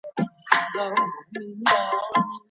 ایا واړه پلورونکي تور ممیز پروسس کوي؟